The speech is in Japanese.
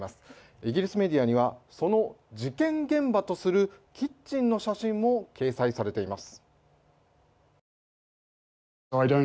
イギリスメディアにはその事件現場とするキッチンの写真も掲載されています。